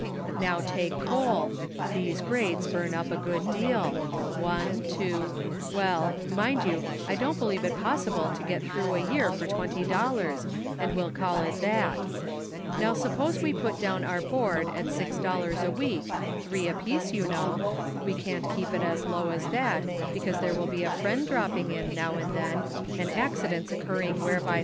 Now take coal, these grates burn up a good deal, one, two, well — mind you, I don't believe it pos sible to get through a year for twenty dollars, but we'll call it that; now suppose we put down our board at six dollars a week, three apiece, you know — we cant keep it as low as that, because there will be a friend dropping in, DOW and then, and accidents occurring whereby The Sum Total.